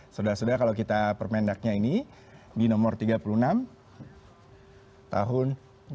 sudah sudah kalau kita permendaknya ini di nomor tiga puluh enam tahun dua ribu